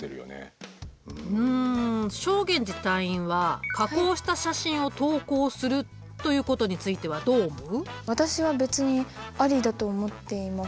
うん正源司隊員は加工した写真を投稿するということについてはどう思う？